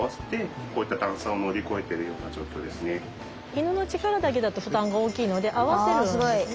犬の力だけだと負担が大きいので合わせるんですね。